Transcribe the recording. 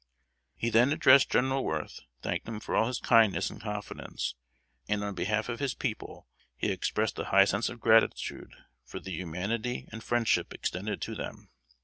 He then addressed General Worth, thanked him for all his kindness and confidence; and on behalf of his people he expressed a high sense of gratitude for the humanity and friendship extended to them.